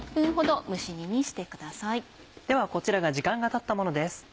ではこちらが時間がたったものです。